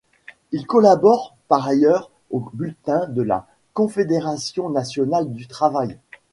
Il collabore, par ailleurs, au bulletin de la Confédération nationale du travail.